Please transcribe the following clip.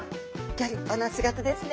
ギョ立派な姿ですね。